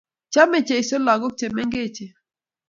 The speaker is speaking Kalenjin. Chomei cheiso lagok che mengechen